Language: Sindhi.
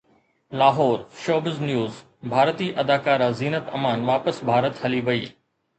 لاهور (شوبز نيوز) ڀارتي اداڪارا زينت امان واپس ڀارت هلي وئي